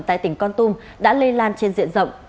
tại tỉnh con tum đã lây lan trên diện rộng